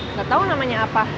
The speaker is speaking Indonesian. nggak tahu namanya apa